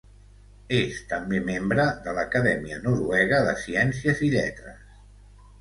És també membre de l'Acadèmia Noruega de Ciències i Lletres.